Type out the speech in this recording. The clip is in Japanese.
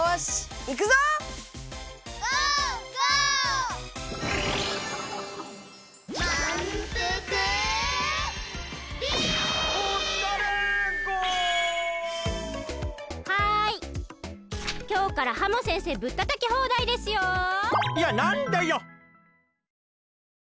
いやなんでよ！